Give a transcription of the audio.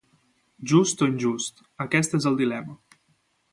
Just o injust, aquest és el dilema,